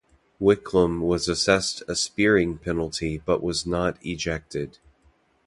Wicklum was assessed a spearing penalty but was not ejected.